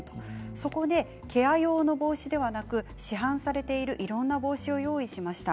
そこでケア用の帽子ではなく市販されているいろんな帽子を用意しました。